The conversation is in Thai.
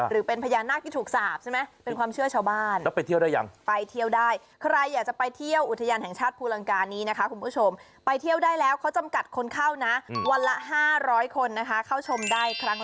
หรือเป็นพญานาคที่ถูกสาปใช่ไหมเป็นความเชื่อชาวบ้าน